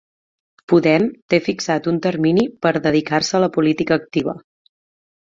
Podem té fixat un termini per a dedicar-se a la política activa